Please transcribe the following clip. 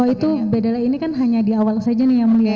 oh itu bedanya ini kan hanya di awal saja nih yang mulia